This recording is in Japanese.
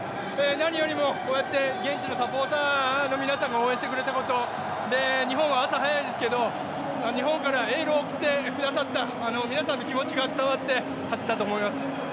なによりもこうやって現地のサポーターの皆さんが応援してくれたこと日本は朝早いんですけど、日本からエールを送ってくださった皆さんの気持ちが伝わって勝てたと思います。